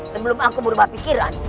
sebelum aku berubah pikiran